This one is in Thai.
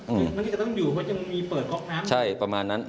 มันที่จะต้องอยู่เพราะยังมีเปิดก๊อกน้ำใช่ประมาณนั้น